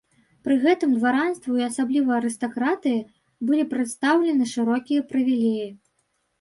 Пры гэтым дваранству і асабліва арыстакратыі былі прадстаўлены шырокія прывілеі.